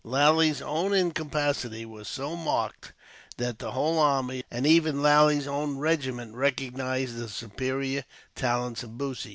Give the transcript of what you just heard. Lally's own incapacity was so marked that the whole army, and even Lally's own regiment, recognized the superior talents of Bussy.